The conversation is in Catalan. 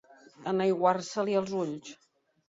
Enaiguar-se-li els ulls.